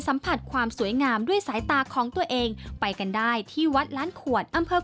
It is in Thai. สัมผัสความสวยงามด้วยสายตาของตัวเองไปกันได้ที่วัดล้านขวดอำเภอ